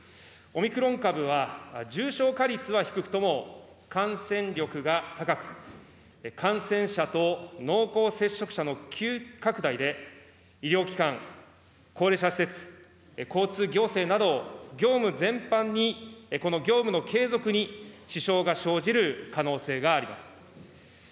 オミクロン株は、重症化率は低くとも感染力が高く、感染者と濃厚接触者の急拡大で、医療機関、高齢者施設、交通、行政など、業務全般にこの業務の継続に支障が生じる可能性があります。